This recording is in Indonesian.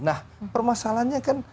nah permasalahannya kan